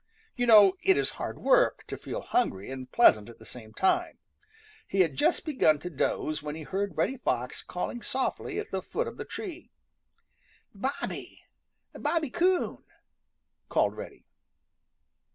You know it is hard work to feel hungry and pleasant at the same time. He had just begun to doze when he heard Reddy Fox calling softly at the foot of the tree. "Bobby! Bobby Coon!" called Reddy.